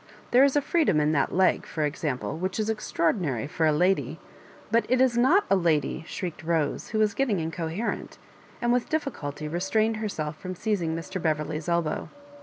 There is a freedom in that leg, for example, which is extraordinary for a lady '^"" But it is not a lady," shrieked Bose, who was getting incoherent, and with difficulty restrained herself from seiziag Mr. Beverley's elbow.